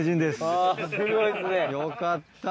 よかった。